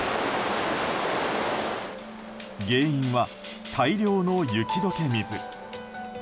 原因は、大量の雪解け水。